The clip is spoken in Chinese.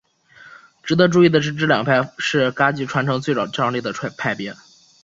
值得注意的是这两派是噶举传承最早创立的派别。